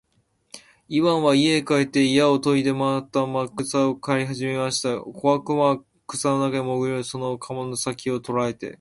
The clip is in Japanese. イワンは家へ帰って鎌をといでまた草を刈りはじめました。小悪魔は草の中へもぐり込んで、その鎌の先きを捉えて、